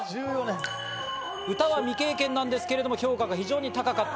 歌は未経験なんですけれども、評価が非常に高かった。